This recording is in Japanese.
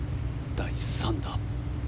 第３打。